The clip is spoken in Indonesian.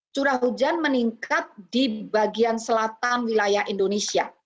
curah hujan meningkat di bagian selatan wilayah indonesia